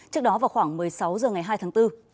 trước đó vào khoảng một mươi sáu h ngày hai tháng bốn